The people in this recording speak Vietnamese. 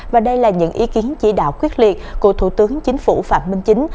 và đây là những ý kiến chỉ đạo quyết liệt của thủ tướng chính phủ phạm minh chính